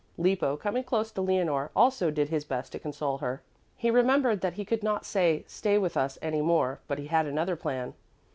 Lippo, coming close to Leonore, also did his best to console her. He remembered that he could not say "stay with us" any more, but he had another plan.